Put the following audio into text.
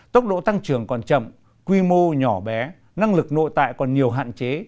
tốc độ tăng trưởng còn chậm quy mô nhỏ bé năng lực nội tại còn nhiều hạn chế